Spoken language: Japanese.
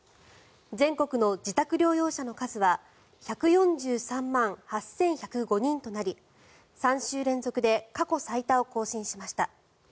全国の自宅療養者の数は１４３万８１０５人となり３週連続で過去最多を更新しました。